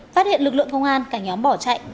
phát hiện lực lượng công an cả nhóm bỏ chạy